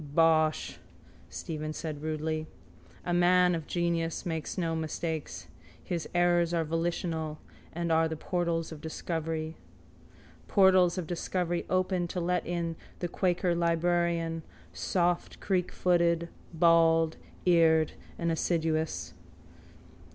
—Bosh! Stephen said rudely. A man of genius makes no mistakes. His errors are volitional and are the portals of discovery. Portals of discovery opened to let in the quaker librarian, softcreakfooted, bald, eared and assiduous.